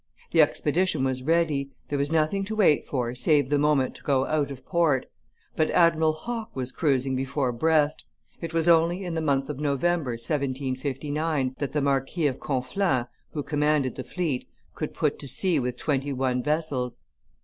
The expedition was ready, there was nothing to wait for save the moment to go out of port, but Admiral Hawke was cruising before Brest; it was only in the month of November, 1759, that the marquis of Conflans, who commanded the fleet, could put to sea with twenty one vessels.